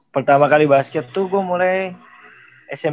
pertama kali basket gue gak ada basic olahraga gitu gak ada atlet atletnya